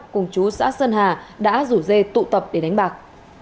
cùng chú xã sơn hà đã rủ dê tụ tập để đánh bạc